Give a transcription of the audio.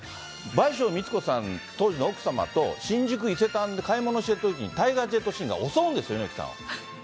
倍賞美津子さん、当時の奥様と新宿伊勢丹で買い物してるときに、タイガー・ジェットシーンを襲うんですよ、猪木さんを。